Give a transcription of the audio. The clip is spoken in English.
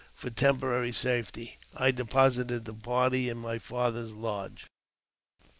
For temporary safety, I deposited the party in my father's lodge.